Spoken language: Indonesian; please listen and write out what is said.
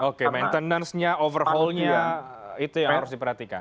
oke maintenance nya overhaul nya itu yang harus diperhatikan